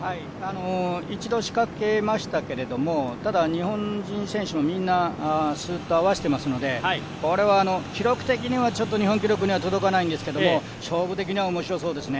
一度仕掛けましたけれどもただ日本選手もすーっと合わせていますのでこれは記録的にはちょっと日本記録には届かないんですけども、勝負的にはおもしろそうですね。